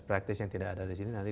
practice yang tidak ada di sini nanti